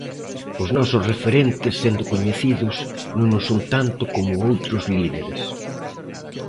Os nosos referentes, sendo coñecidos, non o son tanto como outros líderes.